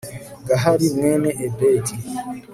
gahali mwene ebedi